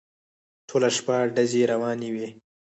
ټوله شپه ډزې روانې وې.